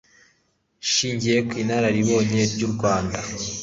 ashingiye ku inararibonye ry'u Rwanda